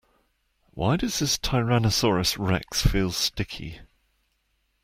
Why does this tyrannosaurus rex feel sticky?